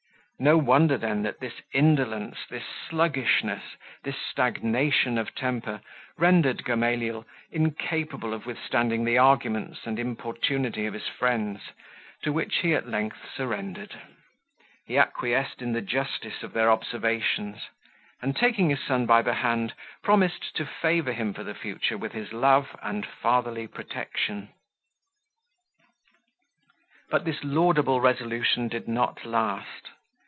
No wonder, then, that this indolence, this sluggishness, this stagnation of temper rendered Gamaliel incapable of withstanding the arguments and importunity of his friends, to which he at length surrendered. He acquiesced in the justice of their observations: and, taking his son by the hand, promised to favour him for the future with his love and fatherly protection. But this laudable resolution did not last.